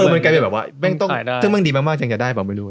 มันกลายเป็นแบบว่าถ้ามันดีมากจะได้บอกไม่รู้